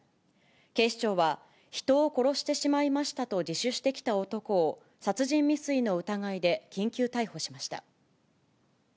警視庁は人を殺してしまいましたと自首してきた男を、殺人未遂の疑いで緊急逮捕しました。